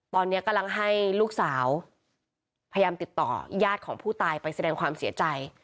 ตอนนี้กำลังให้ลูกสาวพยายามติดต่อญาติของผู้ตายไปแสดงความเสียใจ